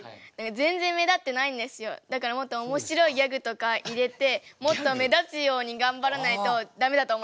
だからもっとおもしろいギャグとか入れてもっと目立つように頑張らないとダメだと思います。